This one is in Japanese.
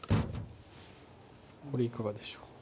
これいかがでしょう。